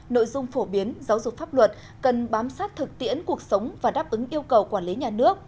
nội dung phổ biến giáo dục pháp luật cần bám sát thực tiễn cuộc sống và đáp ứng yêu cầu quản lý nhà nước